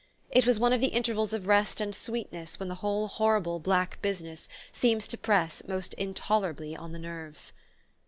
It was one of the intervals of rest and sweetness when the whole horrible black business seems to press most intolerably on the nerves.